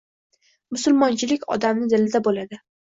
Musulmonchilik odamni dilida bo‘ladi.